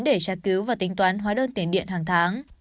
để tra cứu và tính toán hóa đơn tiền điện hàng tháng